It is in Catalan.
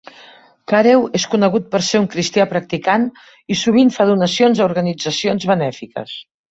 Carew és conegut per ser un cristià practicant i sovint fa donacions a organitzacions benèfiques.